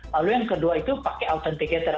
lalu yang kedua itu pakai authenticator